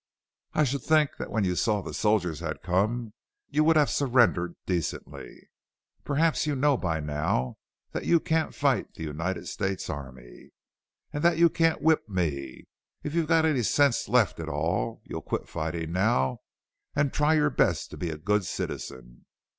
I should think that when you saw the soldiers had come you would have surrendered decently. Perhaps you know by now that you can't fight the United States Army and that you can't whip me. If you've got any sense left at all you'll quit fighting now and try your best to be a good citizen."